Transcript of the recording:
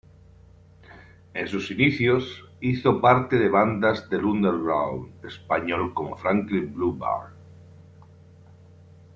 En sus inicios hizo parte de bandas del "underground" español como "Franklin Blue Bar".